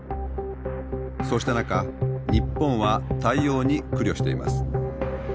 そうした中日本は対応に苦慮しています。